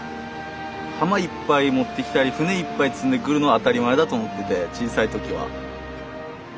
浜いっぱい持ってきたり船いっぱい積んでくるのは当たり前だと思ってて小さい時は。